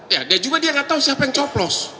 ya dia juga dia nggak tahu siapa yang coplos